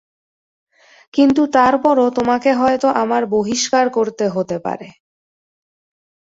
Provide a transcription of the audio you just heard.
কিন্তু তারপরও তোমাকে হয়ত আমার বহিষ্কার করতে হতে পারে।